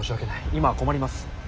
今は困ります。